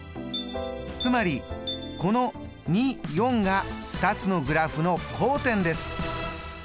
つまりこのが２つのグラフの交点です。